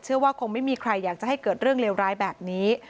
ว่าคงไม่มีใครอยากจะให้เกิดเรื่องเลวร้ายแบบนี้